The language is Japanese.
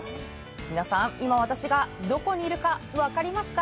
皆さん、今、私がどこにいるか分かりますか？